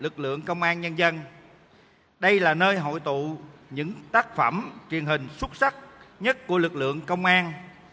lực lượng công an nhân dân đây là nơi hội tụ những tác phẩm truyền hình xuất sắc nhất của lực lượng công an